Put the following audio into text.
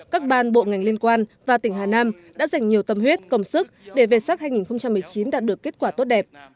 các ban bộ ngành liên quan và tỉnh hà nam đã dành nhiều tâm huyết công sức để về sắc hai nghìn một mươi chín đạt được kết quả tốt đẹp